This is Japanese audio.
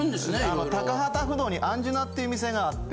あの高幡不動に「アンジュナ」っていう店があって。